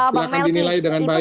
silahkan dinilai dengan baik